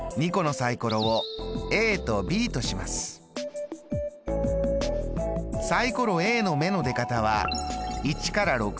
サイコロＡの目の出方は１から６の６通り。